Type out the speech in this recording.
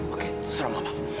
oke seram lama